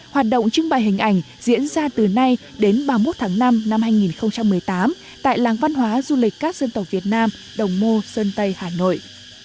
hoạt động trưng bày hình ảnh diễn ra từ nay đến ba mươi một tháng năm năm hai nghìn một mươi tám tại làng văn hóa du lịch các dân tộc việt nam đồng mô sơn tây hà nội